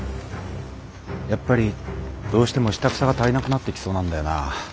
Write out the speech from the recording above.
やっぱりどうしても下草が足りなくなってきそうなんだよな。